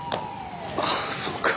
ああそうか。